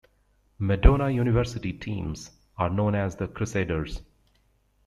Madonna University teams are known as the Crusaders.